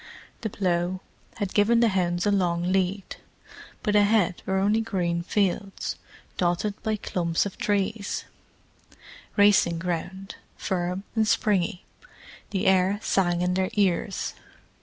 The plough had given the hounds a long lead. But ahead were only green fields, dotted by clumps of trees: racing ground, firm and springy. The air sang in their ears.